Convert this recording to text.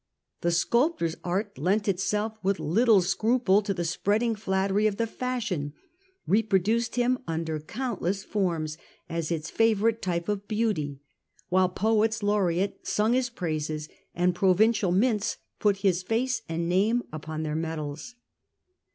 The sculptor's art lent itself with little scruple to the spreading flattery of the fashion, reproduced him under countless forms as its favourite type of beauty, while poets laureate sung his praises, and provincial mints put his face and name upon their medals.